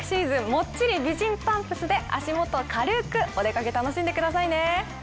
もっちり美人パンプスで足元軽くお出かけ楽しんでくださいね。